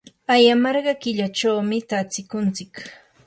ayamarqay killachawmi tatsikuntsik.